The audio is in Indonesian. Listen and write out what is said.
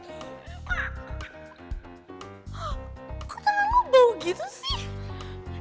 kok tangan lo bau gitu sih